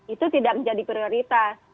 itu tidak menjadi prioritas